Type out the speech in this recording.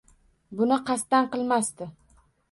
Buni qasddan qilmasdi.